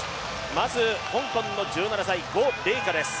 まず、香港の１７歳、呉麗華です。